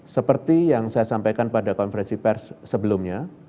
seperti yang saya sampaikan pada konferensi pers sebelumnya